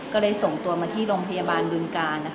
ก็เลยส่งตัวมาที่โรงพยาบาลบึงกาล